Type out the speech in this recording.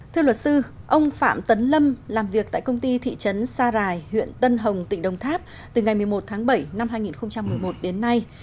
thưa luật sư ông phạm tấn lâm làm việc tại công ty thị trấn sa rài huyện tân hồng tỉnh đồng tháp từ ngày một mươi một tháng bảy năm hai nghìn một mươi một đến nay